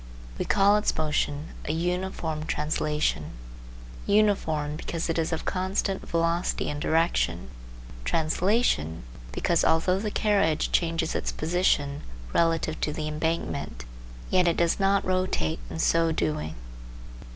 We call its motion a uniform translation ("uniform" because it is of constant velocity and direction, " translation " because although the carriage changes its position relative to the embankment yet it does not rotate in so doing).